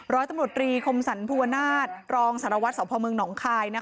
ร้อยตำรวจรีคมสรรภูวนาศรองสารวัตรสพเมืองหนองคาย